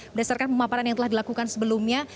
berdasarkan pemaparan yang telah dilakukan sebelumnya